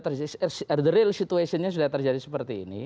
the real situationnya sudah terjadi seperti ini